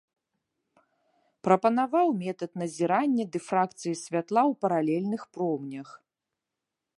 Прапанаваў метад назірання дыфракцыі святла ў паралельных промнях.